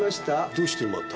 どうしてまた？